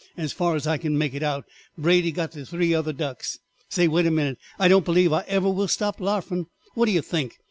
As far as I can make it out Brady got the three other ducks. Say, wait a minute! I don't believe I ever will stop larfin'. What do yer think?